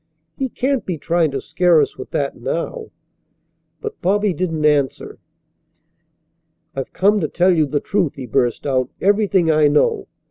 He can't be trying to scare us with that now." But Bobby didn't answer. "I've come to tell you the truth," he burst out, "everything I know.